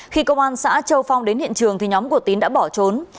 khi công an xã châu phong đến hiện trường nhóm của tín đã bỏ trốn